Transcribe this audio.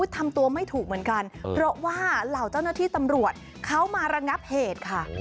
ทำตัวไม่ถูกเหมือนกันเพราะว่าเหล่าเจ้าหน้าที่ตำรวจเขามาระงับเหตุค่ะ